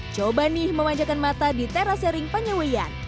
coba nih memanjakan mata di terasering penyewian